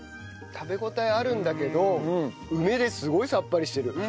食べ応えあるんだけど梅ですごいさっぱりしてる。